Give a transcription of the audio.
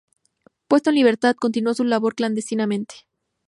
Puesta en libertad, continuó su labor clandestinamente.